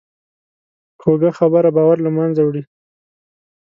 کوږه خبره باور له منځه وړي